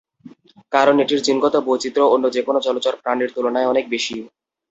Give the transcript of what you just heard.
কারণ, এটির জিনগত বৈচিত্র্য অন্য যেকোনো জলচর প্রাণীর তুলনায় অনেক বেশি।